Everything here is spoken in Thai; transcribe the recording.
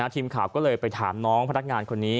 ทีมข่าวก็เลยไปถามน้องพนักงานคนนี้